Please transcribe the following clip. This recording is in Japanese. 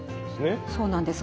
そうなんです。